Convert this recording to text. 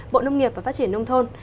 bộ nông nghiệp và phát triển nông thôn